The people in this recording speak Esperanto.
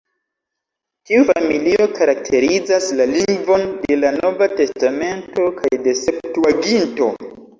Tiu familio karakterizas la lingvon de la Nova Testamento kaj de Septuaginto.